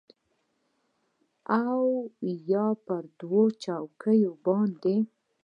او یا پر دوو چوکیو باندې